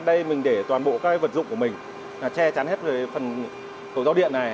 đây mình để toàn bộ các vật dụng của mình che chắn hết phần cổ giao điện này